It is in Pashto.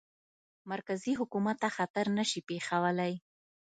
مرکزي حکومت ته خطر نه شي پېښولای.